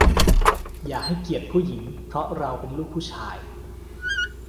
อย่าให้เกียรติผู้หญิงเพราะเราเป็นลูกผู้ชาย